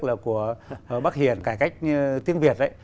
là của bác hiền cải cách tiếng việt ấy